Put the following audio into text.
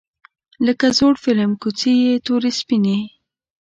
لکه زوړ فیلم کوڅې یې تورې سپینې